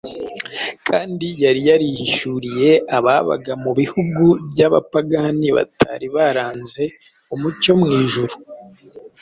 kandi yari yarihishuriye ababaga mu bihugu by’abapagani batari baranze umucyo w’ijuru.